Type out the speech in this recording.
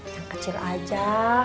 yang kecil aja